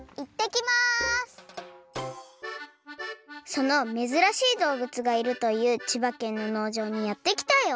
そのめずらしいどうぶつがいるという千葉県ののうじょうにやってきたよ